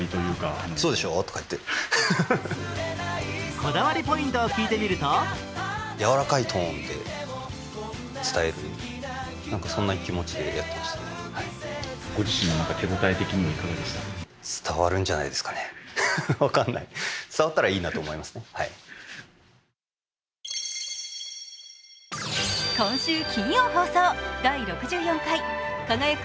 こだわりポイントを聞いてみると今週金曜放送「第６４回輝く！